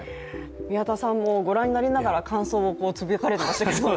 宮田さんもご覧になりながら、感想をつぶやかれていましたけれども。